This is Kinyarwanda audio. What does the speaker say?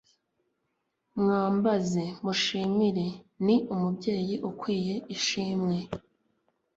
mwambaze, mushimire, ni umubyeyi ukwiye ishimwe